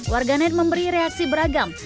warganet memberi reaksi beragam